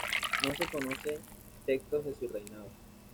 No se conocen textos de su reinado.